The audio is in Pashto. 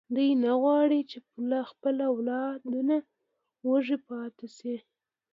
دی نه غواړي چې خپل اولادونه وږي پاتې شي.